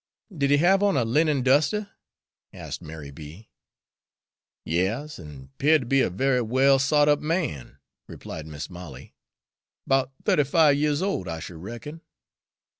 "Did he have on a linen duster?" asked Mary B. "Yas, an' 'peared to be a very well sot up man," replied Mis' Molly, "'bout thirty five years old, I should reckon."